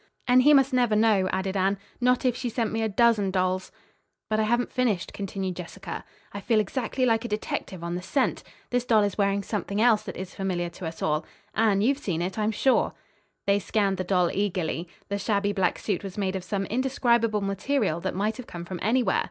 "And he must never know," added Anne, "not if she sent me a dozen dolls." "But I haven't finished," continued Jessica. "I feel exactly like a detective on the scent. This doll is wearing something else that is familiar to us all. Anne, you have seen it, I am sure." They scanned the doll eagerly. The shabby black suit was made of some indescribable material that might have come from anywhere.